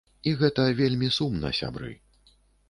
І гэта вельмі сумна, сябры.